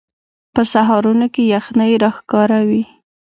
په سهارونو کې یخنۍ راښکاره وي